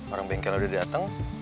orang bengkel udah dateng